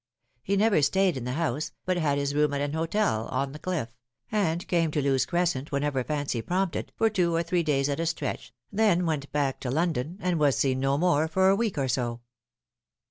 He never stayed in the house, but had his room at an hotel on the cliff, and came to Lewes Crescent whenever fancy prompted, for two or three days at a stretch, then went back to London, and was seen no more for a week or so.